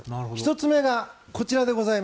１つ目がこちら。